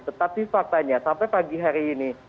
tetapi faktanya sampai pagi hari ini